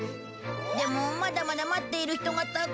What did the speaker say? でもまだまだ待っている人がたくさん。